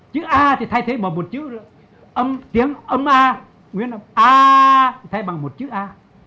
chữ a thì thay thế bằng một chữ ấm tiếng âm a nguyên a thay bằng một chữ a